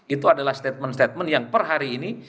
itu adalah statement statement yang per hari ini